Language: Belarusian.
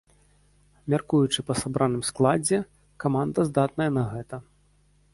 Мяркуючы па сабраным складзе, каманда здатная на гэта.